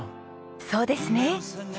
そうですね。